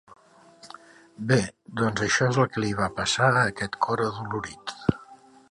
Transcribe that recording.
Bé, doncs això és el que li va passar a aquest cor adolorit.